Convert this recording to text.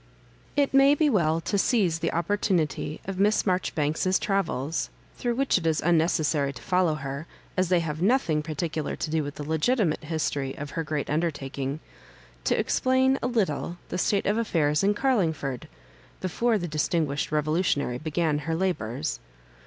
It may be well to seize the opportunity of Miss Marjoribanks's travels, through which it is unnecessary to follow her, as they have nothing particular to do with the legitimate history of her great undertaking, to explain a little the state of affairs in Garlingford before this dis tinguished revolutionary began her labours.